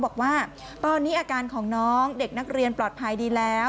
บอกว่าตอนนี้อาการของน้องเด็กนักเรียนปลอดภัยดีแล้ว